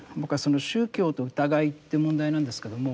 宗教と疑いって問題なんですけども。